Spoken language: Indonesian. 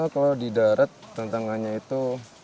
kalau di darat tantangannya itu